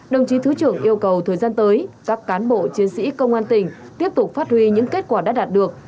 đồng chí thứ trưởng yêu cầu thời gian tới các cán bộ chiến sĩ công an tỉnh tiếp tục phát huy những kết quả đã đạt được